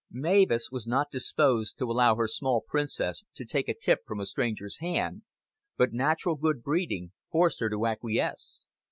Mavis was not disposed to allow her small princess to take a tip from a stranger's hand; but natural good breeding forced her to acquiesce.